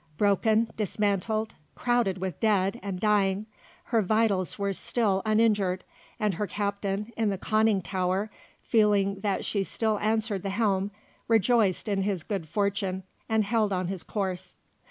Broken, dismantled, crowded with dead and dying, her vitals were still uninjured, and her captain, in the conning tower, feeling that she still answered the helm, rejoiced in his good fortune and held on his course.